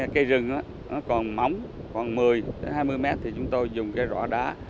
cây rừng còn mỏng còn một mươi hai mươi m thì chúng tôi dùng rõ đá